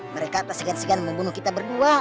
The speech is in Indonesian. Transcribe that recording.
mereka tak segan segan membunuh kita berdua